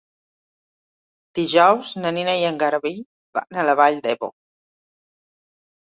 Dijous na Nina i en Garbí van a la Vall d'Ebo.